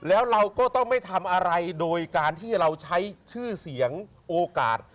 แล้วเราก็ต้องไม่ทำอะไรโดยการที่เราใช้ชื่อเสียงโอกาส